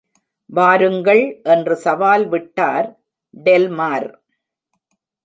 வாருங்கள் என்று சவால் விட்டார் டெல் மார்.